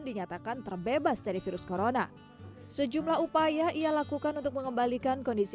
dinyatakan terbebas dari virus corona sejumlah upaya ia lakukan untuk mengembalikan kondisi